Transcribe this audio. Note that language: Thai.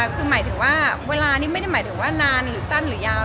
คือหมายถึงว่าเวลานี้ไม่ได้หมายถึงว่านานหรือสั้นหรือยาว